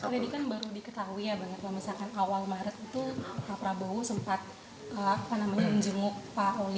deddy kan baru diketahui ya awal maret itu pak prabowo sempat menjenguk pak oli